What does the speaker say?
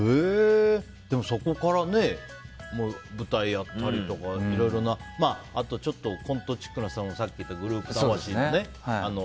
でも、そこから舞台をやったりとかいろいろな、あとコントチックなさっき言ったグループ魂のね。